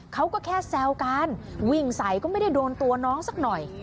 เขาก็แค่แซวกันวิ่งใส่ก็ไม่ได้โดนตัวน้องสักหน่อย